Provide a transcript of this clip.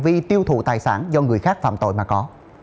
để đối thủ tài sản do người khác phạm tội mà có